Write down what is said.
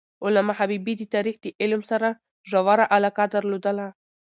علامه حبیبي د تاریخ د علم سره ژوره علاقه درلودله.